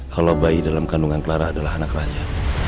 kalau bayi dalam kandungan clara adalah anak raja